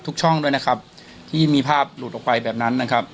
ช่องด้วยนะครับที่มีภาพหลุดออกไปแบบนั้นนะครับ